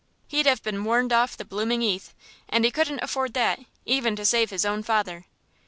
He'd have been warned off the blooming 'eath, and he couldn't afford that, even to save his own father.